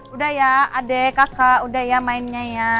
udah ya adek kakak udah ya mainnya ya